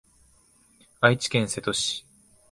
愛知県瀬戸市